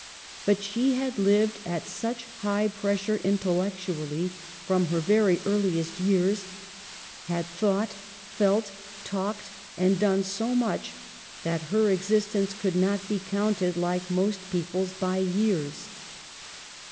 But she had lived at such high pressure intellectually from her very earliest years ; had thought, felt, talked, and done so much, that her existence could not be counted, like most people's, by years.